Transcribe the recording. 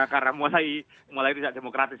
karena mulai tidak demokratis